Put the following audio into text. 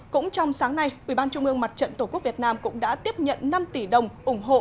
cũng trong sáng nay ủy ban trung ương mặt trận tổ quốc việt nam cũng đã tiếp nhận năm tỷ đồng ủng hộ